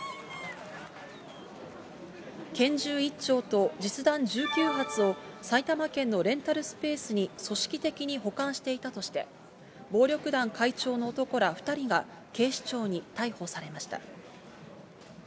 拳銃１丁と実弾１９発を、埼玉県のレンタルスペースに組織的に保管していたとして、暴力団会長の男ら２人が警視庁に逮捕されました。